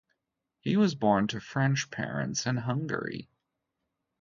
He was born to French parents in Hungary.